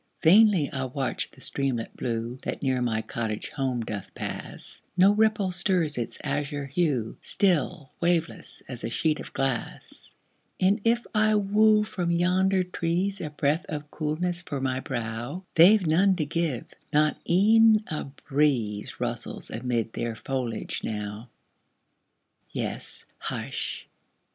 Vainly I watch the streamlet blue That near my cottage home doth pass, No ripple stirs its azure hue, Still waveless, as a sheet of glass And if I woo from yonder trees A breath of coolness for my brow, They've none to give not e'en a breeze Rustles amid their foliage now; Yes, hush!